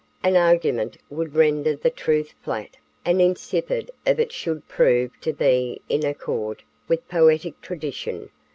An argument would render the truth flat and insipid if it should prove to be in accord with poetic tradition.